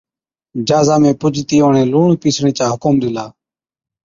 جھازا ۾ پُجتِي اُڻهين لُوڻ پِيسڻي چا حُڪم ڏِلا۔